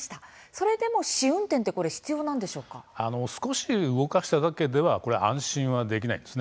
それでも試運転は少し動かしただけでは安心できません。